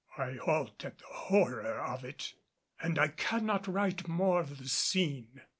I halt at the horror of it, and I cannot write more of the scene.